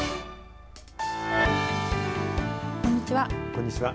こんにちは。